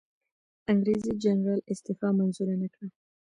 انګریزي جنرال استعفی منظوره نه کړه.